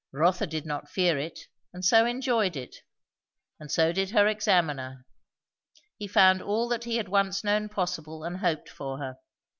Rotha did not fear it, and so enjoyed it. And so did her examiner. He found all that he had once known possible and hoped for her.